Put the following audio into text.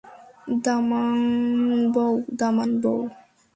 দামান বও, দামান বও।